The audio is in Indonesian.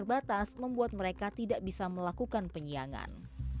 modal yang terbatas membuat mereka tidak bisa melakukan penyiangan